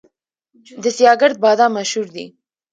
د سیاه ګرد بادام مشهور دي